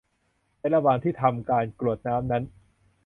และในระหว่างที่ทำการกรวดน้ำนั้น